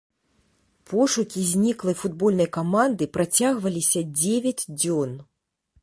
Пошукі зніклай футбольнай каманды працягваліся дзевяць дзён.